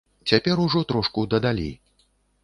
Цяпер ужо трошку дадалі.